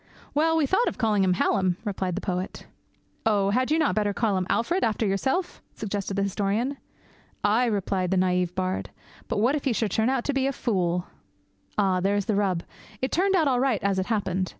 'Well, we thought of calling him Hallam,' replied the poet. 'Oh! had you not better call him Alfred, after yourself?' suggested the historian. 'Aye!' replied the naïve bard, 'but what if he should turn out to be a fool?' Ah, there's the rub. It turned out all right, as it happened.